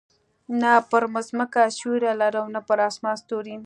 نه پر مځکه سیوری لرم، نه پر اسمان ستوری.